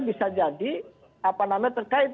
bisa jadi apa namanya terkait